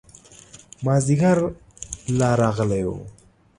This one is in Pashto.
مازدیګر لا راغلی و.